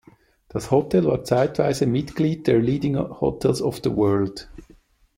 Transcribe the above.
Das Hotel war zeitweise Mitglied der Leading Hotels of the World.